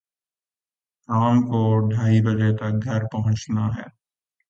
Tom کو ڈھائی بجے تک گھر پہنچنا ہے۔